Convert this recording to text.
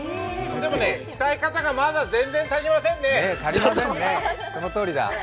でもね鍛え方が全然足りませんね。